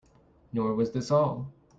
Nor was this all.